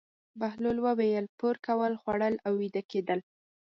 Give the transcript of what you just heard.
بهلول وویل: پور کول، خوړل او ویده کېدل.